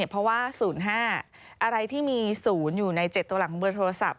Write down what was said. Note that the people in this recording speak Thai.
เพราะว่า๐๕อะไรที่มี๐อยู่ใน๗ตัวหลังของเบอร์โทรศัพท์